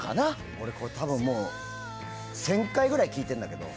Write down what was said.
俺多分もう１０００回ぐらい聴いてるんだけど。